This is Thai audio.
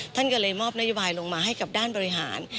ท่านก็เลยมอบนโยบายลงมาให้กับด้านบริหาร